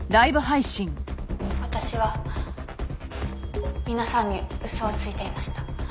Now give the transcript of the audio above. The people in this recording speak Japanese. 「私は皆さんに嘘をついていました」